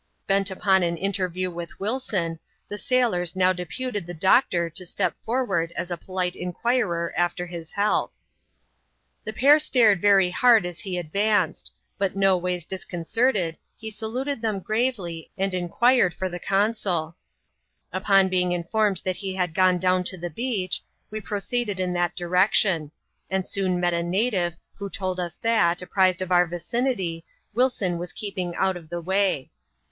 Bent upon an interview with Wilson, the sailors now deputed the doctor to step forward as a polite inquirer after his health. The pair stared very hard as he advanced ; but no ways dis concerted, he saluted them gravely, and inquired for the consul Upon being informed that he had gone down to the beacli, we proceeded in that direction ; and soon met a native, who told us that, apprised of our vicinity, Wilson was keeping out of the way.